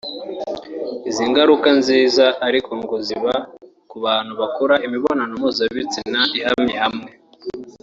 Izi ngaruka nziza ariko ngo ziba ku bantu bakora imibonano mpuzabitsina ihamye hamwe